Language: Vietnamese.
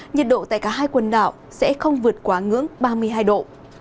nhiệt độ tại cả hai quần đảo sẽ không vượt quá ngưỡng ba mươi hai độ